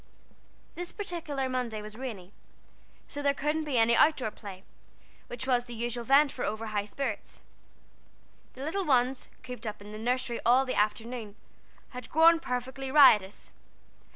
This particular Monday was rainy, so there couldn't be any out door play, which was the usual vent for over high spirits. The little ones, cooped up in the nursery all the afternoon, had grown perfectly riotous.